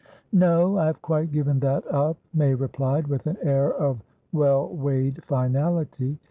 "No, I have quite given that up," May replied, with an air of well weighed finality.